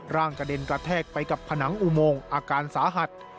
กระเด็นกระแทกไปกับผนังอุโมงอาการสาหัส